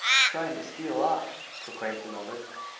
"Trying to steal off!" proclaims another.